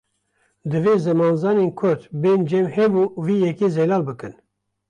Divê zimanzanên kurd, bên cem hev û vê yekê zelal bikin